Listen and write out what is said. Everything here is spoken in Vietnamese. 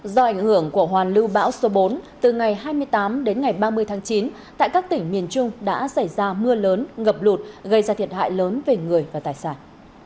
do ảnh hưởng của hoàn lưu bão số bốn từ ngày hai mươi tám đến ngày ba mươi tháng chín tại các tỉnh miền trung đã xảy ra mưa lớn ngập lụt gây ra thiệt hại lớn về người và tài sản